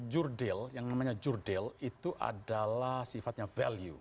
jurdil yang namanya jurdil itu adalah sifatnya value